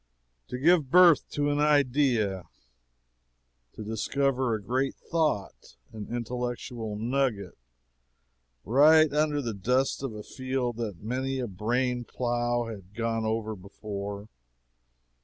To give birth to an idea to discover a great thought an intellectual nugget, right under the dust of a field that many a brain plow had gone over before.